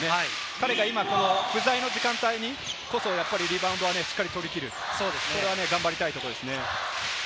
彼が不在の時間帯にこそリバウンドはしっかり取り切る、これは頑張りたいところですね。